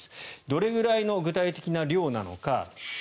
どれくらいの具体的な量なのか。